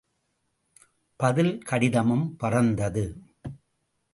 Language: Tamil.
பதில் கடிதமும் பறந்தது.